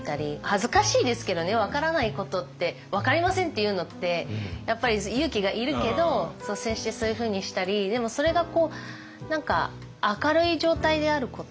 恥ずかしいですけどね分からないことって「分かりません」って言うのってやっぱり勇気がいるけど率先してそういうふうにしたりでもそれが何か明るい状態であること。